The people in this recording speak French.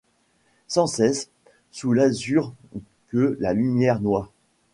Sans cesse, sous l’azur que la lumière noie